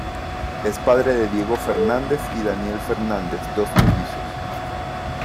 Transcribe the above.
Es padre de Diego Fernández y Daniel Fernández, dos mellizos.